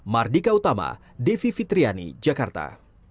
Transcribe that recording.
mardika utama devi fitriani jakarta